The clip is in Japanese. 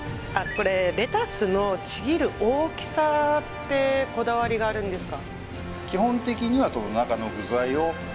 これレタスのちぎる大きさってこだわりがあるんですか？